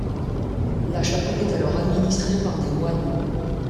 La chapelle est alors administrée par des moines.